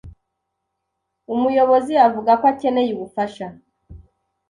umuyobozi avuga ko akeneye ubufasha,